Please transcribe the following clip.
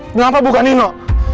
kenapa bukan nino